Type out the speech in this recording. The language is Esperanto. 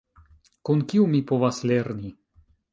Kun kiu mi povas lerni